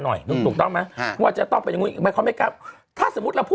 หน่อยนึกถูกต้องมั้ยว่าจะต้องเป็นไม่เขาไม่กล้าถ้าสมมุติเราพูด